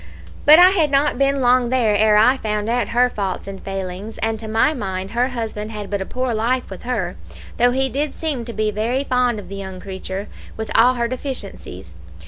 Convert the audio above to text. But I had not been long there ere I found out her faults and her failings; and to my mind her husband had but a poor life with her, though he did seem to be very fond of the young creature, with all her deficiencies.